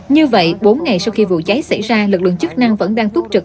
như vậy bốn ngày sau khi vụ cháy xảy ra lực lượng chức năng vẫn đang túc trực